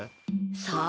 さあ？